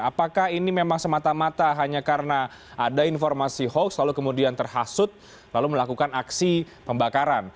apakah ini memang semata mata hanya karena ada informasi hoax lalu kemudian terhasut lalu melakukan aksi pembakaran